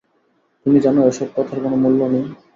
তুমি জান এ-সব কথার কোনো মূল্য নেই।